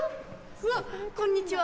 うわこんにちは。